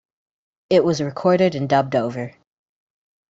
It was recorded and dubbed over.